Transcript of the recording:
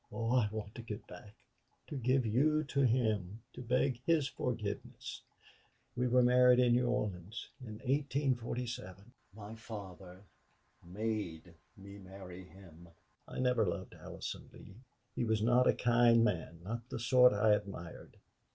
Oh, I want to get back to give you to him to beg his forgiveness.... We were married in New Orleans in 1847. My father made me marry him. I never loved Allison Lee. He was not a kind man not the sort I admired....